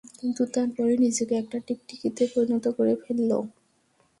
কিন্তু তারপরেই নিজেকে একটা টিকটিকিতে পরিণত করে ফেললো।